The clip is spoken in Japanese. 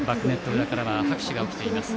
裏からは拍手が起きています。